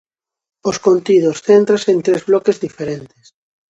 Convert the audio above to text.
Os contidos céntranse en tres bloques diferentes.